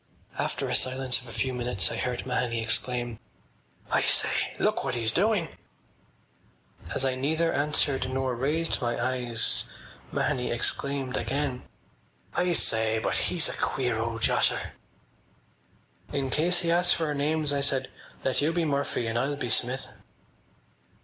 After a silence of a few minutes I heard Mahony exclaim: “I say! Look what he’s doing!” As I neither answered nor raised my eyes Mahony exclaimed again: “I say.... He’s a queer old josser!” “In case he asks us for our names,” I said, “let you be Murphy and I’ll be Smith.